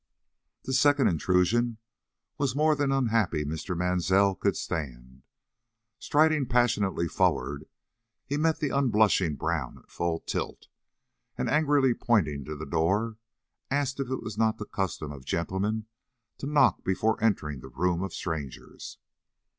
This second intrusion was more than unhappy Mr. Mansell could stand. Striding passionately forward, he met the unblushing Brown at full tilt, and angrily pointing to the door, asked if it was not the custom of gentlemen to knock before entering the room of strangers.